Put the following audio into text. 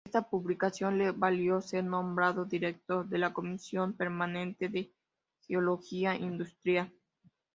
Esta publicación le valió ser nombrado director de la Comisión permanente de Geología industrial.